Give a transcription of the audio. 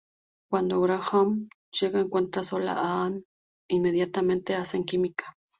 Cuando Graham llega, encuentra sola a Ann, e inmediatamente hacen química.